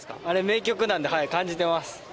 あれ名曲なんではい感じてます